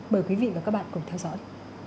mời quý vị và các bạn cùng theo dõi